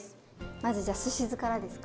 まずじゃすし酢からですか。